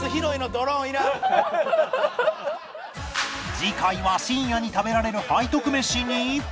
次回は深夜に食べられる背徳メシに